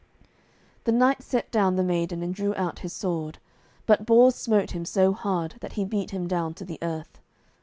The knight set down the maiden, and drew out his sword, but Bors smote him so hard that he beat him down to the earth.